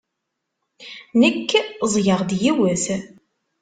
Nekk ẓẓgeɣ-d yiwet.